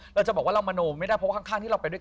เขาสตาร์ทไม่ติด